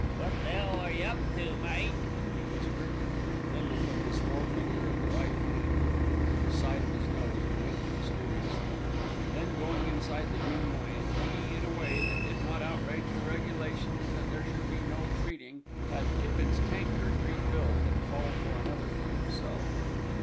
"What the 'ell are you up to, mate?" he whispered. Bindle put his forefinger of the right hand to the side of his nose and winked mysteriously. Then going inside The Green Lion he, in a way that did not outrage the regulations that there should be no "treating," had Tippitt's tankard refilled, and called for another for himself.